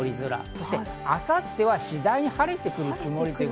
そして明後日は次第に晴れてくる曇り。